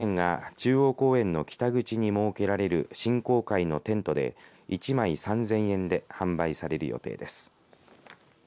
チケットが売れ残った場合のみ当日券が中央公園の北口に設けられる振興会のテントで１枚３０００円で販売される予定です。